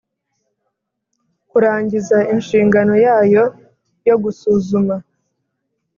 kurangiza inshingano yayo yo gusuzuma